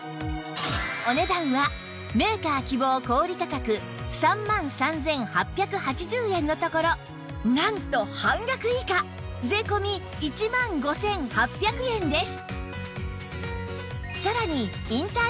お値段はメーカー希望小売価格３万３８８０円のところなんと半額以下税込１万５８００円です